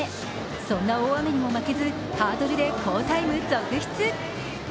そんな大雨にも負けずハードルで好タイム続出。